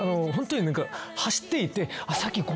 走っていって。